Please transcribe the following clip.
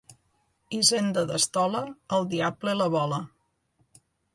Hisenda d'estola, el diable la vola.